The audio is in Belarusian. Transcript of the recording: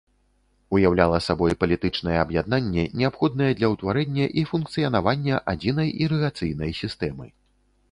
Уяўляла сабой палітычнае аб'яднанне, неабходнае для ўтварэння і функцыянавання адзінай ірыгацыйнай сістэмы.